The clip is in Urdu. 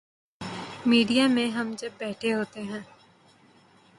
میڈیا میں جب ہم بیٹھے ہوتے ہیں۔